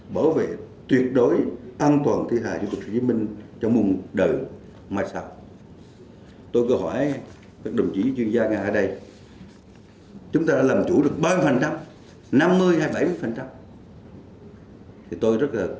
bảo vệ tuyệt đối an toàn thi hài chủ tịch hồ chí minh trong mùa đời mai sau